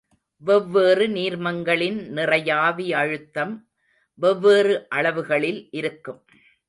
வெவ்வேறு நீர்மங்களின் நிறையாவி அழுத்தம் வெவ்வேறு அளவுகளில் இருக்கும்.